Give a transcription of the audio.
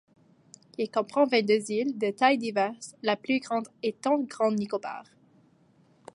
Il comprend vingt-deux îles de tailles diverses, la plus grande étant Grande Nicobar.